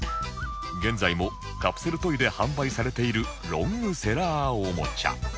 現在もカプセルトイで販売されているロングセラーおもちゃ